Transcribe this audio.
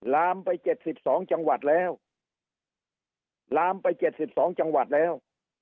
ลามไปเจ็ดสิบสองจังหวัดแล้วลามไปเจ็ดสิบสองจังหวัดแล้ว